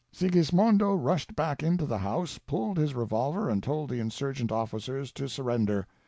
" Sigismondo rushed back into the house, pulled his revolver, and told the insurgent officers to surrender.